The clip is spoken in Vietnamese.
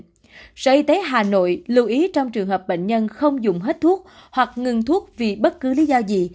cơ sở y tế hà nội lưu ý trong trường hợp bệnh nhân không dùng hết thuốc hoặc ngừng thuốc vì bất cứ lý do gì